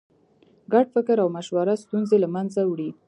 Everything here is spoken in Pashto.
ګډ فکر او مشوره ستونزې له منځه وړي.